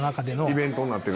「イベントになってる？」